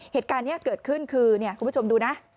เหตุการณ์นี้เกิดขึ้นคือคุณผู้ชมดูนะ